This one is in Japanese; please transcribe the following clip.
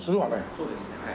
そうですねはい。